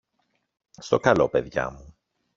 Στο καλό, παιδιά μου.